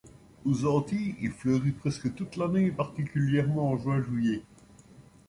Aux Antilles, il fleurit presque toute l'année et particulièrement en juin-juillet.